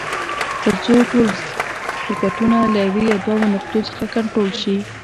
تر څو ټول سرکټونه له یوې یا دوو نقطو څخه کنټرول شي.